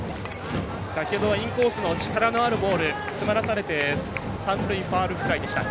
先ほどはインコースの力のあるボール詰まらされて三塁ファウルフライでした。